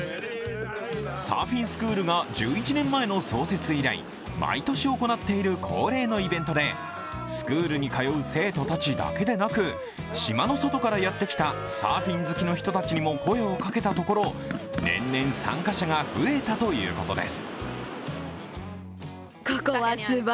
サーフィンスクールが１１年前の創設以来、毎年行っている恒例のイベントでスクールに通う生徒たちだけでなく島の外からやってきたサーフィン好きな人たちにも声をかけたところ年々参加者が増えたということです。